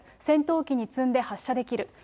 戦闘機に積んで発射できる。